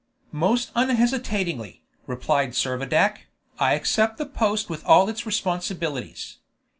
"Most unhesitatingly," replied Servadac, "I accept the post with all its responsibilities.